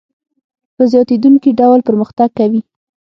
په زیاتېدونکي ډول پرمختګ کوي